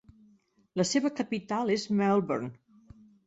La seva capital és Melbourne.